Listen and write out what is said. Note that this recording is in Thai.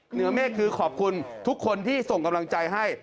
เหนือเมฆคือขอบคุณทุกคนที่ส่งกำลังใจให้